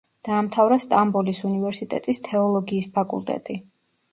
დაამთავრა სტამბოლის უნივერსიტეტის თეოლოგიის ფაკულტეტი.